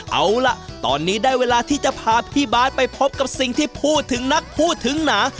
เอาล่ะตอนนี้ได้เวลาที่จะพาพี่บาทไปพบกับสิ่งที่พูดถึงนักพูดถึงหนา